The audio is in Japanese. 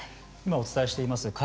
今お伝えしています